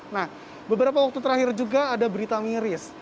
nah beberapa waktu terakhir juga ada berita miris